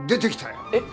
えっ！？